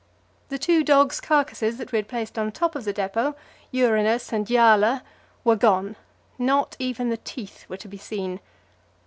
The two dogs' carcasses that we had placed on the top of the depot Uranus and Jaala were gone, not even the teeth were to be seen.